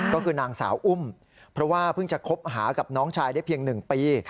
ก็คือนางสาวอุ้มเพราะว่าเพิ่งจะคบหากับน้องชายได้เพียง๑ปี